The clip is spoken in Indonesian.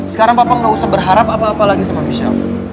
sekarang papa nggak usah berharap apa apa lagi sama manusia